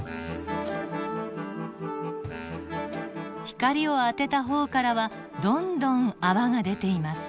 光を当てた方からはどんどん泡が出ています。